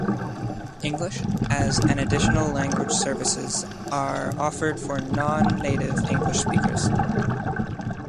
English-as-an Additional Language services are offered for non-native English speakers.